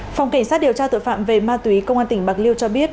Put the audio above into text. phòng cảnh sát điều tra tội phạm về ma túy công an tỉnh bạc liêu cho biết